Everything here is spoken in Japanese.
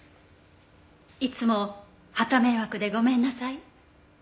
いつもはた迷惑でごめんなさい。